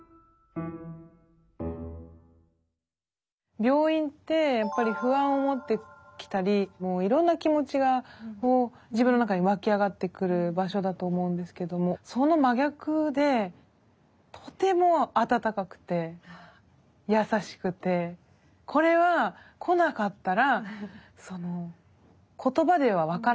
病院ってやっぱり不安を持ってきたりもういろんな気持ちが自分の中に湧き上がってくる場所だと思うんですけどもその真逆でとても温かくて優しくてこれは来なかったら言葉では分からない。